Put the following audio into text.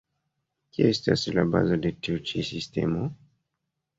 Kio estas la bazo de tiu ĉi sistemo?